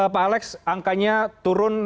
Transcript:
pak alex angkanya turun